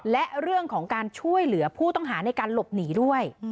และเรื่องของการช่วยเหลือผู้ต้องหาในการหลบหนีด้วย